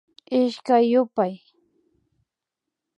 Ishkay yupay